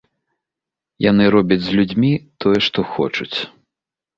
Яны робяць з людзьмі тое, што хочуць.